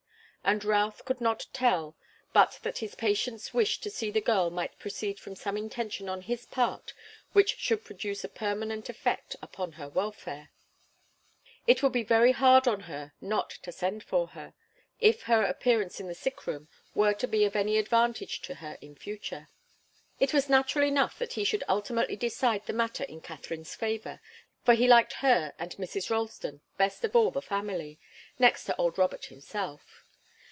And Routh could not tell but that his patient's wish to see the girl might proceed from some intention on his part which should produce a permanent effect upon her welfare. It would be very hard on her not to send for her, if her appearance in the sick room were to be of any advantage to her in future. It was natural enough that he should ultimately decide the matter in Katharine's favour, for he liked her and Mrs. Ralston best of all the family, next to old Robert himself.